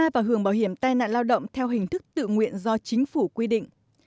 người lao động thường bảo hiểm tai nạn lao động theo hình thức tự nguyện do chính phủ quy định